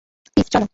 টিফ, চলো!